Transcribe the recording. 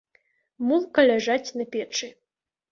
Мулка ляжаць на печы.